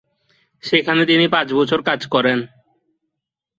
সেখানে তিনি পাঁচ বছর কাজ করেন।